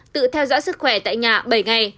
tự theo dõi sức khỏe tại nhà bảy ngày